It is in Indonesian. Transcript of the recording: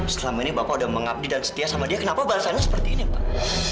selama ini bapak udah mengabdi dan setia sama dia kenapa balasannya seperti ini pak